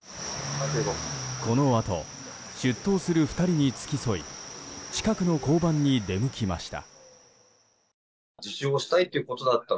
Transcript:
このあと出頭する２人に付き添い近くの交番に出向きました。